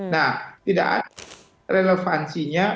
nah tidak ada relevansinya